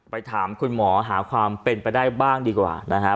ไปถามคุณหมอทางหาความเป็นไปได้บ้างดีกว่านะฮะ